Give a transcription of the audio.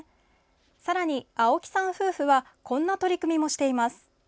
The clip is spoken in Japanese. さらに青木さん夫婦はこんな取り組みもしています。